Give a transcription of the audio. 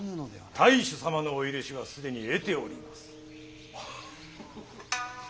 太守様のお許しは既に得ております。